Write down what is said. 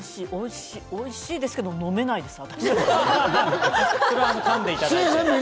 おいしいですけど私は飲めないです。